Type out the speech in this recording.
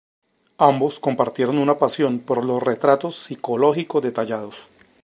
Ambos compartieron una pasión por los retratos psicológicos detallados.